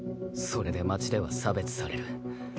それで町では差別される。